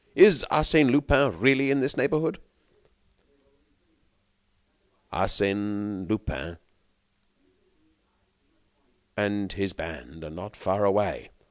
"Is Arsène Lupin really in this neighborhood?" "Arsène Lupin and his band are not far away.